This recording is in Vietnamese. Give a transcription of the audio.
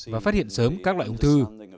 và phát hiện sớm các loại ung thư